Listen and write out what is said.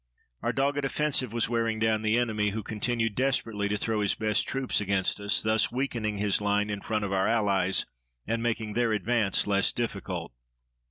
Our dogged offensive was wearing down the enemy, who continued desperately to throw his best troops against us, thus weakening his line in front of our allies and making their advance less difficult.